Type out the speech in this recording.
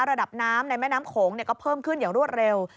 ระดับน้ำในแม่น้ำโขงก็เพิ่มขึ้นอย่างรวดเร็ว